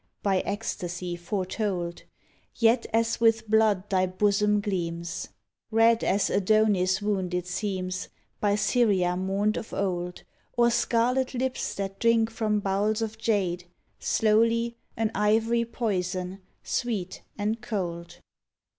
By ecstasy foretold; Yet as with blood thy bosom gleams; 37 fHE HOUSE OF ORCHIDS Red as Adonis' wound it seems, By Syria mourned of old, Or scarlet lips that drink from bowls of jade. Slowly, an ivory poison, sweet and cold.